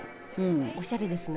おしゃれですね。